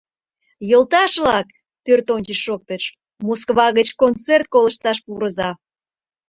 — Йолташ-влак! — пӧртӧнчыч шоктыш, — Москва гыч концерт колышташ пурыза.